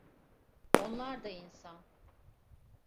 Onlar da insan.